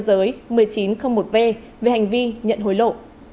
giám đốc trung tâm đăng kiểm xe cơ giới một nghìn chín trăm linh một v về hành vi nhận hối lộ